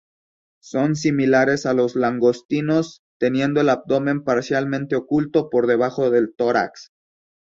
Son similares a los langostinos, teniendo el abdomen parcialmente oculto por debajo del tórax.